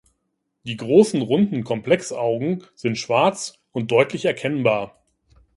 Die großen, runden Komplexaugen sind schwarz und deutlich erkennbar.